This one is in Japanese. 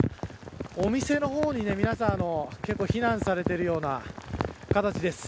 お店の方に皆さん結構、避難されているような形です。